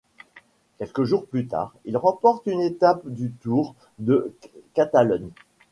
Quelques jours plus tard, il remporte une étape du Tour de Catalogne.